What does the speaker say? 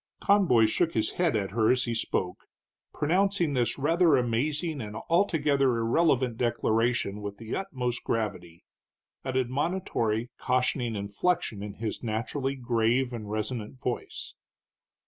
Conboy shook his head at her as he spoke, pronouncing this rather amazing and altogether irrelevant declaration with the utmost gravity, an admonitory, cautioning inflection in his naturally grave and resonant voice.